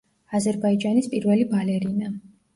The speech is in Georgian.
აზერბაიჯანის პირველი ბალერინა.